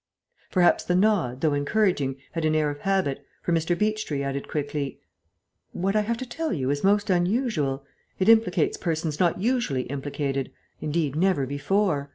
Perhaps the nod, though encouraging, had an air of habit, for Mr. Beechtree added quickly, "What I have to tell you is most unusual. It implicates persons not usually implicated. Indeed, never before.